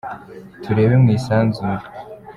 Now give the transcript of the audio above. Turebe mu isanzure.